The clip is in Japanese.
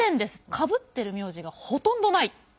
かぶってる名字がほとんどない。